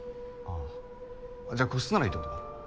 あじゃあ個室ならいいってことか？